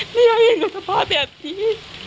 แม่อยากเห็นกฎภาพแบบนี้